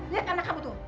lihat anak kamu itu